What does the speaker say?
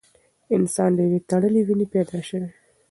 انسان له یوې تړلې وینې پیدا شوی دی.